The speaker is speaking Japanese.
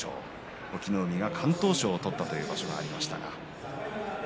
隠岐の海が敢闘賞を取ったという場所がありました。